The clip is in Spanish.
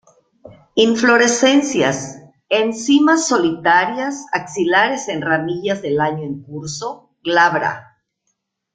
Inflorescencias: en cimas solitarias, axilares en ramillas del año en curso, glabra.